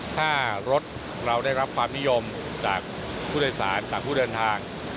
ถ้ารถเราได้รับความนิยมจากผู้โดยสารจากผู้เดินทาง